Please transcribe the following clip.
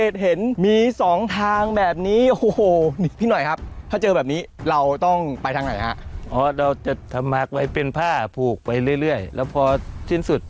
ทางที่เขาผูกไปเลยนะครับ